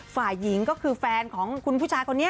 ฝ่ายหญิงก็คือแฟนของคุณผู้ชายคนนี้